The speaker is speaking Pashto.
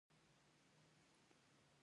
فرمان او مقرره او لایحه هم اسناد دي.